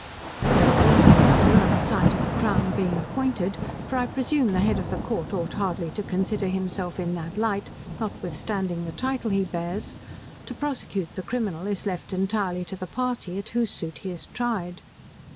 No law officer on the side of the crown being appointed, (for I presume the head of the court ought hardly to consider himself in that light, notwithstanding the title he bears) to prosecute the criminal is left entirely to the party, at whose suit he is tried.